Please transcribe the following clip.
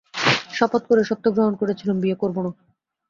শপথ করে সত্য গ্রহণ করেছিলুম, বিয়ে করব না।